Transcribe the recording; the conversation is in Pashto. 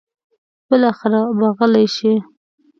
بالاخره به غلې شي.